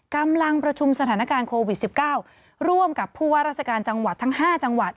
กำลังประชุมสถานการณ์โควิด๑๙ร่วมกับผู้ว่าราชการจังหวัดทั้ง๕จังหวัด